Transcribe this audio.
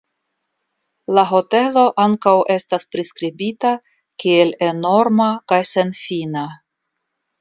La hotelo ankaŭ estas priskribita kiel enorma kaj senfina.